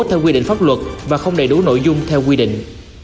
theo quy định pháp luật và không đầy đủ nội dung theo quy định